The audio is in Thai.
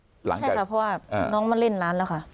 ใช่ค่ะเพราะว่าน้องมาเล่นร้านแล้วค่ะ